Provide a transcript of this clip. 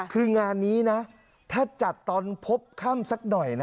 คืองานนี้นะถ้าจัดตอนพบค่ำสักหน่อยนะ